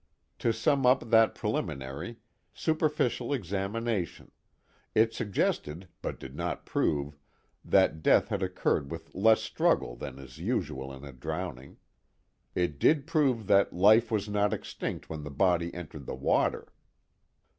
To sum up that preliminary, superficial examination: it suggested, but did not prove, that death had occurred with less struggle than is usual in a drowning. It did prove that life was not extinct when the body entered the water.